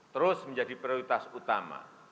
terus menjadi prioritas utama